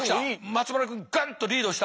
松丸君ガンッとリードした。